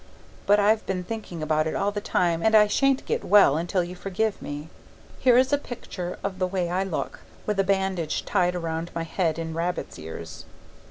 But I've been thinking about it all the time and I shan't get well until you forgive me. Here is a picture of the way I look, with a bandage tied around my head in rabbit's ears.